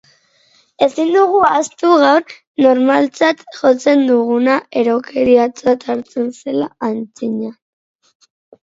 Ezin dugu ahaztu gaur normaltzat jotzen duguna erokeriatzat hartzen zela antzina.